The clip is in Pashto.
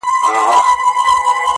چي ستا د لبو نشه راکړي میکدې لټوم,